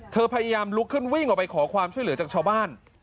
พยายามลุกขึ้นวิ่งออกไปขอความช่วยเหลือจากชาวบ้าน